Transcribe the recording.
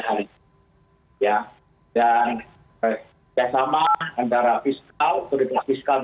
lalu kita juga berharap untuk memiliki vaksin